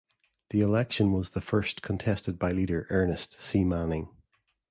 The election was the first contested by leader Ernest C. Manning.